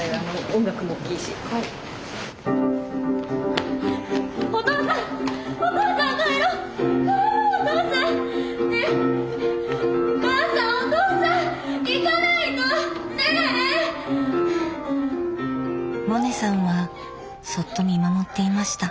萌音さんはそっと見守っていました。